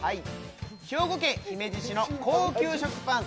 兵庫県姫路市の高級食パン